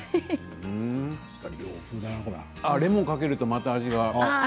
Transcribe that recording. レモンをかけると、また味が。